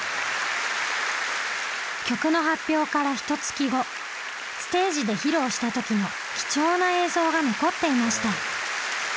曲の発表からひとつき後ステージで披露したときの貴重な映像が残っていました。